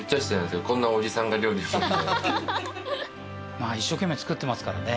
まぁ一生懸命作ってますからね。